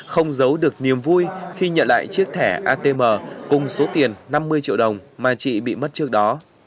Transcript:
không giấu được niềm vui khi nhận lại chiếc thẻ atm cùng số tiền năm mươi triệu đồng mà chị bị mất trước đó